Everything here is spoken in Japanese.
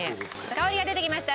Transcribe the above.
香りが出てきました。